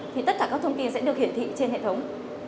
thì tất cả các thông tin sẽ được hiển thị trên hệ thống